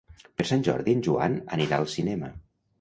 Per Sant Jordi en Joan anirà al cinema.